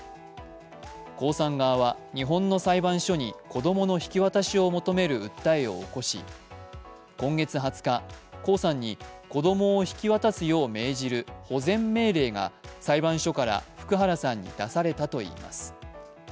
江さん側は日本の裁判所に子供の引き渡しを求める訴えを起こし今月２０日、江さんに子供を引き渡すよう命じる保全命令が裁判所から福原さんに出されたといいます。